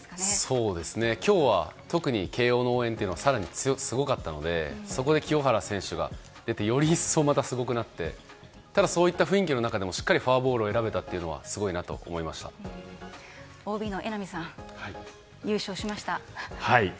そうですね、今日は特に慶應の応援が更にすごかったのでそこで清原選手が出てより一層すごくなってただ、そういった雰囲気の中でもフォアボールを選べたというのはＯＢの榎並さん、優勝しました。